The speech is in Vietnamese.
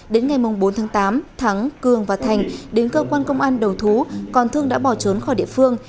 đến ngày bốn tháng tám thắng cường và thành đến cơ quan công an đầu thú còn thương đã bỏ trốn khỏi địa phương